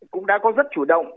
cũng đã có rất chủ động